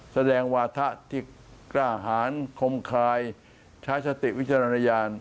แสดงวาทะที่กล้าหารคมคลายใช้สติวิจารณญาณ